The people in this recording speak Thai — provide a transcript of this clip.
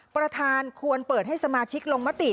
ประธานควรเปิดให้สมาชิกลงมติ